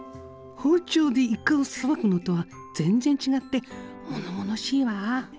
包丁でイカをさばくのとは全然違ってものものしいわ。